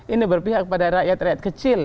ini berpihak pada rakyat rakyat kecil